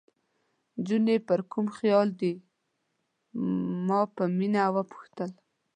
نجونې پر کوم خیال دي؟ ما په مینه وپوښتل.